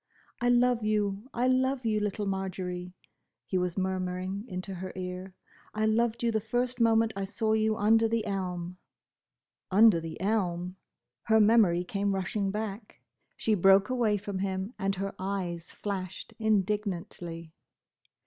"I love you, I love you, little Marjory," he was murmuring into her ear. "I loved you the first moment I saw you under the elm!" Under the elm! Her memory came rushing back. She broke away from him and her eyes flashed indignantly.